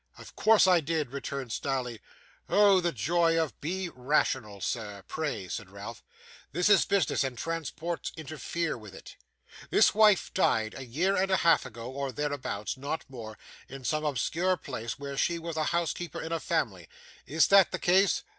'Of course I did!' returned Snawley. 'Oh the joy of ' 'Be rational, sir, pray,' said Ralph. 'This is business, and transports interfere with it. This wife died a year and a half ago, or thereabouts not more in some obscure place, where she was housekeeper in a family. Is that the case?